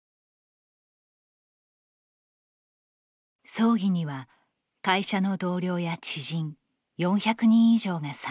葬儀には、会社の同僚や知人４００人以上が参列。